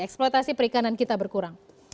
eksploitasi perikanan kita berkurang